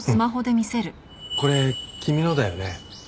これ君のだよね？